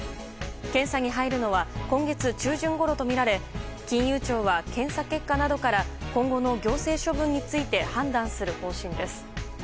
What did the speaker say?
検査に入るのは今月中旬ごろとみられ金融庁は、検査結果などから今後の行政処分について判断する方針です。